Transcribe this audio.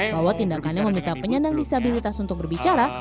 bahwa tindakannya meminta penyandang disabilitas untuk berbicara